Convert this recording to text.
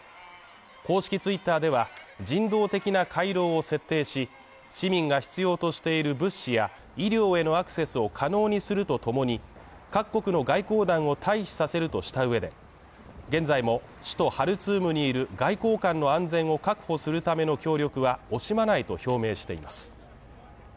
公式Ｔｗｉｔｔｅｒでは、人道的な回廊を設定し、市民が必要としている物資や医療へのアクセスを可能にするとともに、各国の外交団を退避させるとした上で、現在も首都ハルツームにいる外交官の安全を確保するための協力は惜しまないと表明しています。